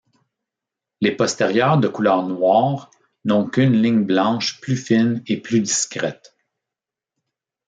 Les postérieures de couleur noire n'ont qu'une ligne blanche plus fine et plus discrète.